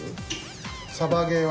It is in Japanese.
サバゲーは？